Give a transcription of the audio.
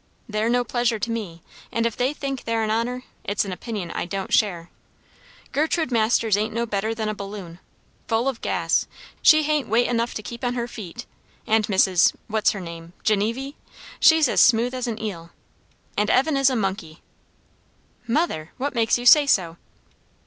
They're no pleasure to me; and if they think they're an honour, it's an opinion I don't share. Gertrude Masters ain't no better than a balloon; full of gas; she hain't weight enough to keep her on her feet; and Mrs. what's her name? Genevy she's as smooth as an eel. And Evan is a monkey." "Mother! what makes you say so?"